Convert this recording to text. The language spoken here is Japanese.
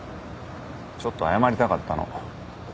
ちょっと謝りたかったの。